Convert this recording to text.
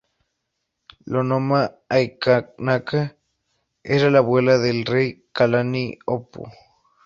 Lonomaʻaikanaka era la abuela del rey Kalaniʻōpuʻu.